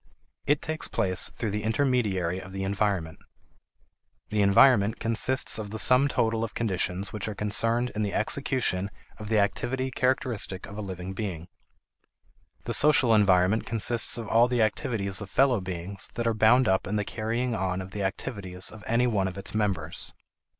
It takes place through the intermediary of the environment. The environment consists of the sum total of conditions which are concerned in the execution of the activity characteristic of a living being. The social environment consists of all the activities of fellow beings that are bound up in the carrying on of the activities of any one of its members.